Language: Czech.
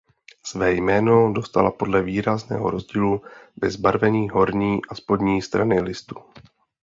Své jméno dostala podle výrazného rozdílu ve zbarvení horní a spodní strany listů.